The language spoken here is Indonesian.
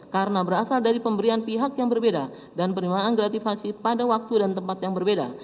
karena berasal dari pemberian pihak yang berbeda dan penerimaan gratifasi pada waktu dan tempat yang berbeda